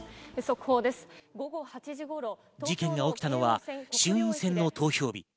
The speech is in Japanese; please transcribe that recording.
事件が起きたのは衆院選の投票日。